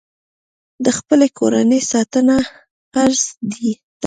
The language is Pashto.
د خپلې کورنۍ ساتنه فرض ده.